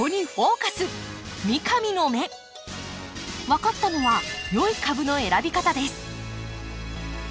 分かったのは良い株の選び方です。